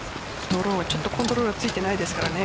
ドローちょっとコントロールついてないですからね